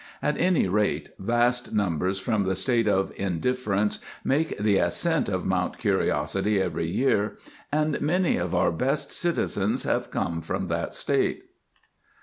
At any rate, vast numbers from the State of Indifference make the ascent of Mount Curiosity every year, and many of our best citizens have come from that state.